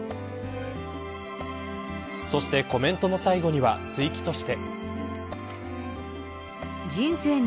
そしてコメントの最後には追記として。